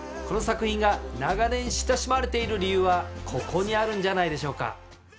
この作品が長年親しまれている理由はここにあるんじゃないでしょうか。